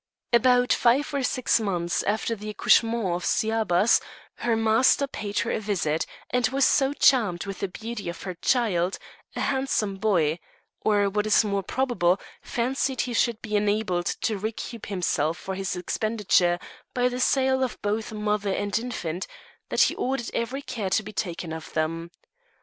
About five or six months after the accouchement of Sciabas, her master paid her a visit, and was so charmed with the beauty of her child, a handsome boy or, what is more probable, fancied he should be enabled to recoup himself for his expenditure by the sale of both mother and infant that he ordered every care to be taken of them.